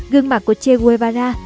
gương mặt của che guevara